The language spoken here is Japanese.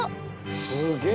すげえ！